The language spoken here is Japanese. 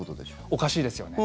おかしいですよね。